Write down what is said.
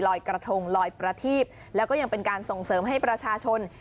กระทงลอยประทีบแล้วก็ยังเป็นการส่งเสริมให้ประชาชน